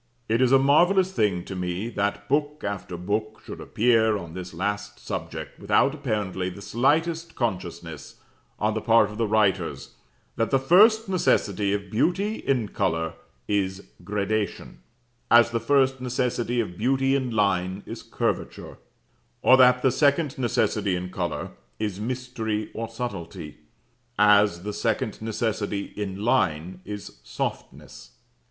It is a marvellous thing to me that book after book should appear on this last subject, without apparently the slightest consciousness on the part of the writers that the first necessity of beauty in colour is gradation, as the first necessity of beauty in line is curvature, or that the second necessity in colour is mystery or subtlety, as the second necessity in line is softness.